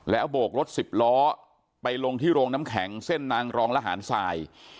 โบกรถสิบล้อไปลงที่โรงน้ำแข็งเส้นนางรองระหารทราย